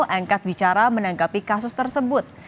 angkat bicara menanggapi kasus tersebut